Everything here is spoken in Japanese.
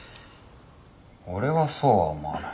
俺はそうは思わない。